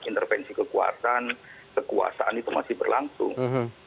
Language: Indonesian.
intervensi kekuasaan kekuasaan itu masih berlangsung